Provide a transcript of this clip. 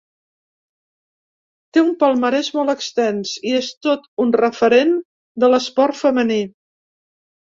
Té un palmarès molt extens i és tot un referent de l’esport femení.